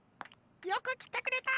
よくきてくれた！